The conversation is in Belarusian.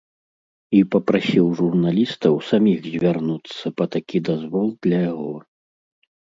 І папрасіў журналістаў саміх звярнуцца па такі дазвол для яго.